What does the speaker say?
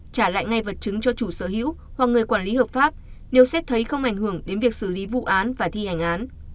trả lại ngay vật chứng cho chủ sở hữu hoặc người quản lý hợp pháp nếu xét thấy không ảnh hưởng đến việc xử lý vụ án và thi hành án